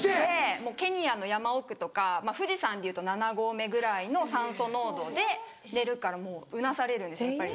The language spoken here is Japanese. ケニアの山奥とか富士山でいうと７合目ぐらいの酸素濃度で寝るからもううなされるんですやっぱり。